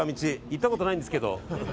行ったことないんですけど。